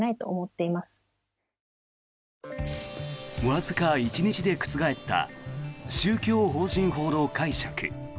わずか１日で覆った宗教法人法の解釈。